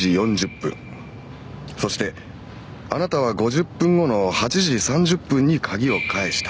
そしてあなたは５０分後の８時３０分に鍵を返した。